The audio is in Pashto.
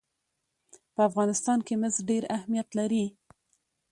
په افغانستان کې مس ډېر اهمیت لري.